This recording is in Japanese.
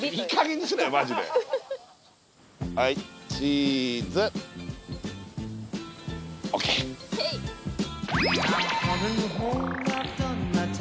はいチーズ！ＯＫ。ＯＫ。